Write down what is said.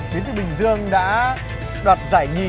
đến từ bình dương đã đoạt giải nhì